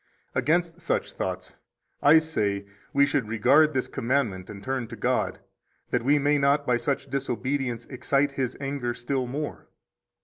11 Against such thoughts (I say) we should regard this commandment and turn to God, that we may not by such disobedience excite His anger still more.